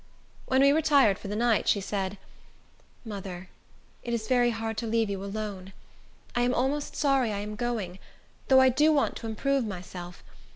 When we retired for the night, she said, "Mother, it is very hard to leave you alone. I am almost sorry I am going, though I do want to improve myself.